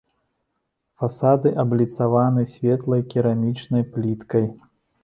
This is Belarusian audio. Фасады абліцаваны светлай керамічнай пліткай.